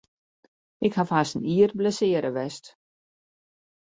Ik haw hast in jier blessearre west.